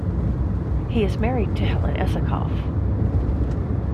He is married to Helen Esakoff.